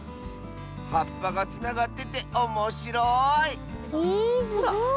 はっぱがつながってておもしろいえすごい。